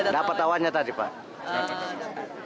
dapat awannya tadi pak